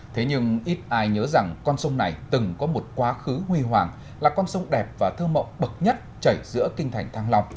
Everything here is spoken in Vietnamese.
thế nhưng ít ai nhớ rằng con sông này từng có một quá khứ huy hoàng là con sông đẹp và thơ mộng bậc nhất chảy giữa kinh thành thăng long